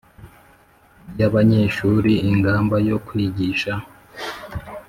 Y abanyeshuri ingamba yo kwigisha